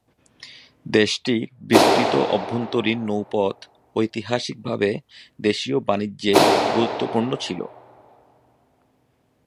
দেশটির বিস্তৃত অভ্যন্তরীণ নৌপথ ঐতিহাসিকভাবে দেশীয় বাণিজ্যে গুরুত্বপূর্ণ ছিল।